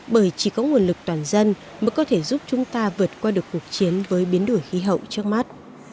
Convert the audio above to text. bởi chỉ có nguồn lực toàn dân mới có thể giúp chúng ta vượt qua được cuộc chiến với biến đổi khí hậu trước mắt